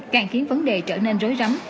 càng khiến vấn đề trở nên rối rắm